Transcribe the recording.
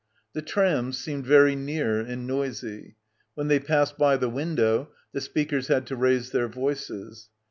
The trams seemed very near and noisy. When they passed by the window, the speakers had to raise their voices.